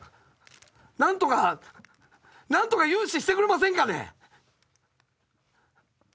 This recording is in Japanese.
何とか何とか融資してくれませんかね！